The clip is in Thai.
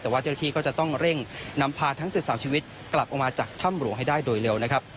แต่ว่าเจ้าหน้าที่ก็จะต้องเร่งนำพาทั้ง๑๓ชีวิตกลับออกมาจากถ้ำหลวงให้ได้โดยเร็วนะครับ